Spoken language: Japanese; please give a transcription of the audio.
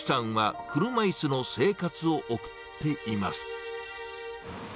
以来、優樹さんは車いすの生活を送っています。